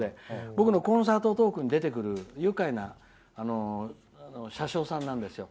僕のコンサートトークに出てくる愉快な車掌さんなんですよ。